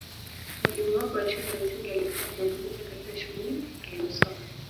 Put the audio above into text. Mwalimu wake wa shule ya msingi aliyekuwa akimfundisha katika shule aliyosoma